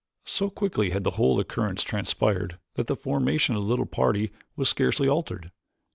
So quickly had the whole occurrence transpired that the formation of the little party was scarcely altered.